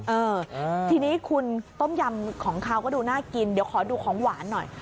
เออทีนี้คุณต้มยำของเขาก็ดูน่ากินเดี๋ยวขอดูของหวานหน่อย